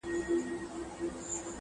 کرونا راغلې پر انسانانو.!